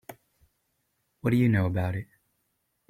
What do you know about it?